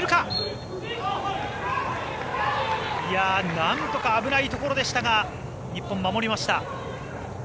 なんとか、危ないところでしたが日本、守りました。